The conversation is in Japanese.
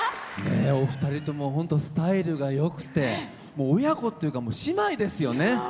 お二人とも本当、スタイルがよくて親子っていうか、姉妹ですよね。